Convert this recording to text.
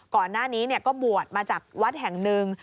ก่อนหน้านี้ก็บวชมาจากวัดแห่งหนึ่ง